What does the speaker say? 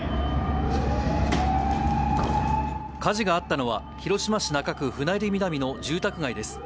火事があったのは、広島市中区舟入南の住宅街です。